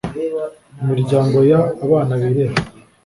Imiryango y abana birera